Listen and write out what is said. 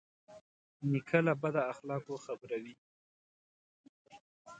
نیکه له بد اخلاقو خبروي.